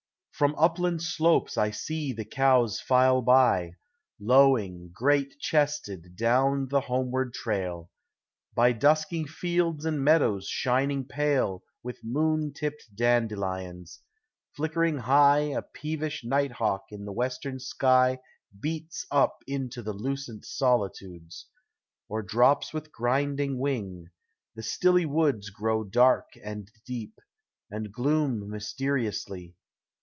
From upland slopes I see the cows file by, Lowing, great chested, down the homeward trail, By dusking fields and meadows shining pale With moon tipped dandelions; flickering high, A peevish night hawk in the western sky Beats up into the lucent solitudes, Or drops with griding wing; the stilly woods Grow dark and deep, and gloom mysteriously.